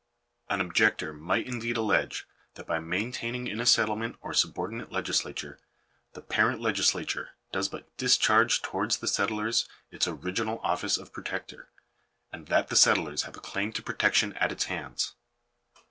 An objector might indeed allege, that by maintaining in a settlement a subordinate legislature, the parent legislature does but discharge towards the settlers its original office of protector, and that the settlers have a claim to protection at its hands.